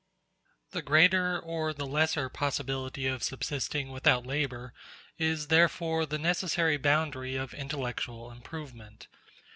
The greater or the lesser possibility of subsisting without labor is therefore the necessary boundary of intellectual improvement.